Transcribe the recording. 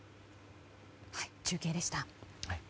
中継でした。